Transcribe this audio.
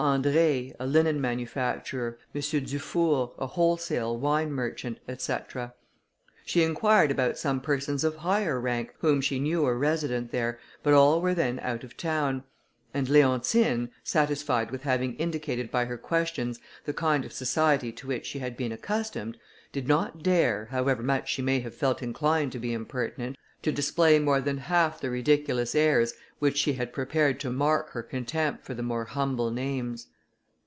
André, a linen manufacturer, M. Dufour, a wholesale wine merchant, &c. She inquired about some persons of higher rank, whom she knew were resident there, but all were then out of town; and Leontine, satisfied with having indicated by her questions the kind of society to which she had been accustomed, did not dare, however much she may have felt inclined to be impertinent, to display more than half the ridiculous airs which she had prepared to mark her contempt for the more humble names.